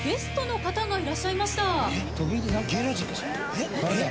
えっ？